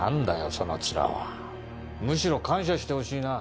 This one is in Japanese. その面はむしろ感謝してほしいな